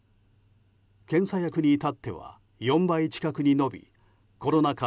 検査薬に至っては４倍近くに伸びコロナ禍